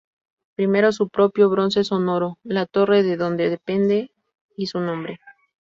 Primero, su propio bronce sonoro, la torre de donde pende, y su nombre.